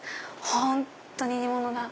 本当に煮物だ！